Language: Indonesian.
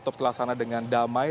atau berkelas sana dengan damai